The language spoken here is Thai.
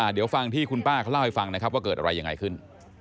เดี๋ยวฟังที่คุณป้าเขาเล่าให้ฟังนะครับว่าเกิดอะไรยังไงขึ้น